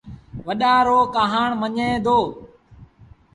وڏآݩ رو ڪهآڻ مڃي دو